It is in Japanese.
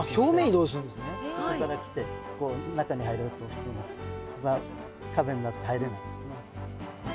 ここから来てこう中に入ろうとしてもここが壁になって入れないんですね。